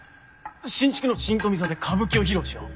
新築の新富座で歌舞伎を披露しよう。